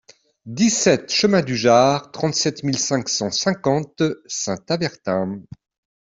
dix-sept chemin du Jard, trente-sept mille cinq cent cinquante Saint-Avertin